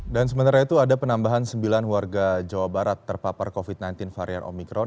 dan sementara itu ada penambahan sembilan warga jawa barat terpapar covid sembilan belas varian omikron